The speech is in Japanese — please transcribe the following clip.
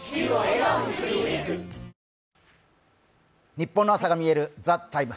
ニッポンの朝がみえる「ＴＨＥＴＩＭＥ，」。